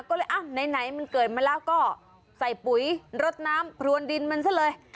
ก็เลยไหนมันเกิดมาแล้วก็ใส่ปุ๋ยรดน้ำพรวนดินมันซะเลย